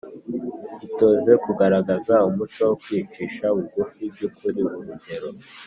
Itoze kugaragaza umuco wo kwicisha bugufi by ukuri urugero